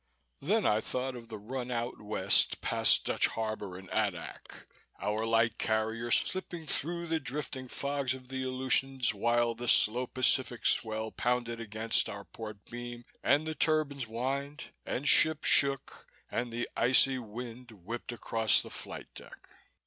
Then I thought of the run out west, past Dutch Harbor and Adak, our light carrier slipping through the drifting fogs of the Aleutians, while the slow Pacific swell pounded against our port beam and the turbines whined and ship shook and the icy wind whipped across the flight deck.